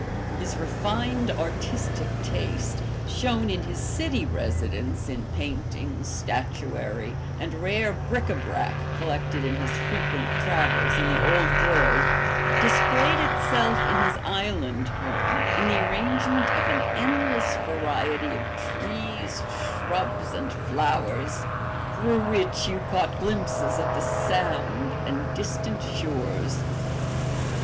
His refined, artistic taste, shown in his city residence in paintings, statuary, and rare bric a brac, collected in his frequent travels in the Old World, displayed itself in his island home in the arrangement of an endless variety of trees, shrubs, and flowers, through which you caught glimpses of the Sound and distant shores.